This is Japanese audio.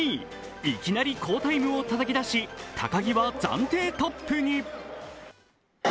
いきなり好タイムをたたき出し、高木は暫定トップに。